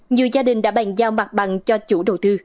nhiều gia đình đã bàn giao mặt bằng cho chú